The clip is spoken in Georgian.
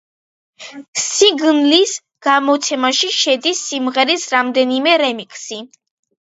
სინგლის გამოცემაში შედის სიმღერის რამდენიმე რემიქსი.